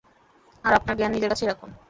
আর আপনার জ্ঞান নিজের কাছেই রাখুন।